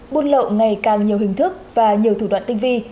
buôn lậu ngày càng nhiều hình thức và nhiều thủ đoạn tinh vi